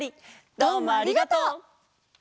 どうもありがとう！